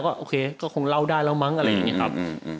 ก็โอเคก็คงเล่าได้แล้วมั้งอะไรอย่างนี้ครับ